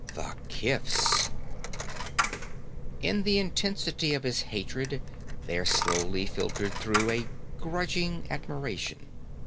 The kifs In the intensity of his hatred there slowly filtered through a grudging admiration.